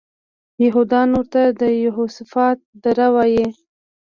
یهودان ورته د یهوسفات دره وایي.